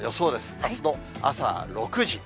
あすの朝６時。